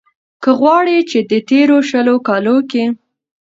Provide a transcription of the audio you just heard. که غواړۍ ،چې د تېرو شلو کالو کې